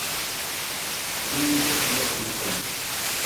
তিনি নিজের কাব্য রচনা করেন।